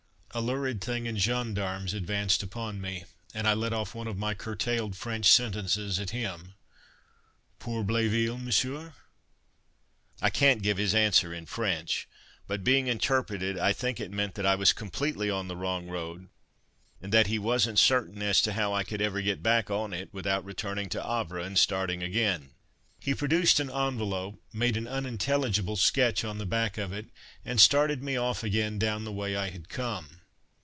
A lurid thing in gendarmes advanced upon me, and I let off one of my curtailed French sentences at him: "Pour Bléville, Monsieur?" I can't give his answer in French, but being interpreted I think it meant that I was completely on the wrong road, and that he wasn't certain as to how I could ever get back on it without returning to Havre and starting again. He produced an envelope, made an unintelligible sketch on the back of it, and started me off again down the way I had come.